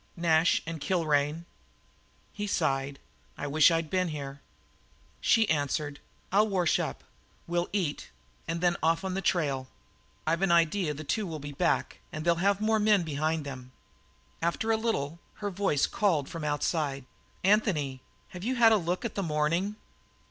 "Nash and Kilrain." He sighed: "I wish I'd been here." She answered: "I'll wash up; we'll eat; and then off on the trail. I've an idea that the two will be back, and they'll have more men behind them." After a little her voice called from the outside: "Anthony, have you had a look at the morning?"